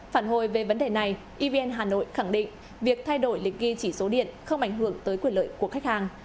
phản hồi về vấn đề này evn hà nội khẳng định việc thay đổi lịch ghi chỉ số điện không ảnh hưởng tới quyền lợi của khách hàng